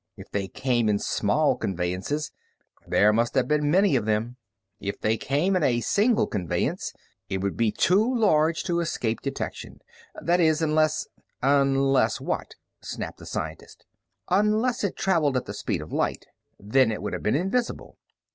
If they came in small conveyances, there must have been many of them. If they came in a single conveyance, it would be too large to escape detection. That is, unless " "Unless what?" snapped the scientist. "Unless it traveled at the speed of light. Then it would have been invisible."